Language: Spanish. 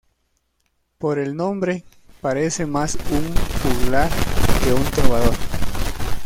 Por el nombre, parece más un juglar que un trovador.